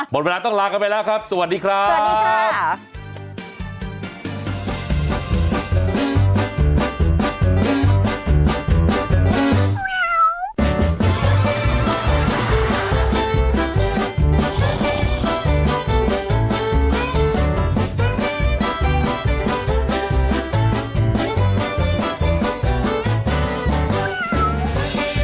หมดเวลาต้องลากันไปแล้วครับสวัสดีครับ